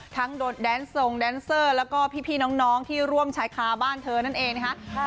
โดดแดนทรงแดนเซอร์แล้วก็พี่น้องที่ร่วมชายคาบ้านเธอนั่นเองนะคะ